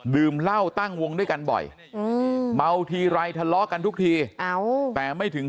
ดื่มเหล้าตั้งวงด้วยกันบ่อยเมาทีไรทะเลาะกันทุกทีแต่ไม่ถึง